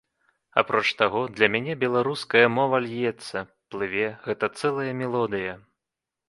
Апроч таго, для мяне беларуская мова льецца, плыве, гэта цэлая мелодыя.